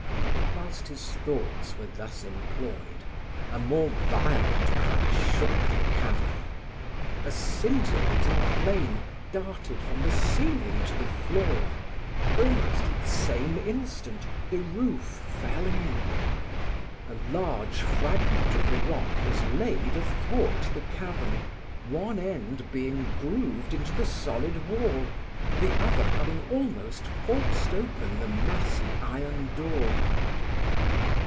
Whilst his thoughts were thus employed, a more violent crash shook the cavern. A scintillating flame darted from the cieling to the floor. Almost at the same instant the roof fell in. A large fragment of the rock was laid athwart the cavern; one end being grooved into the solid wall, the other having almost forced open the massy iron door.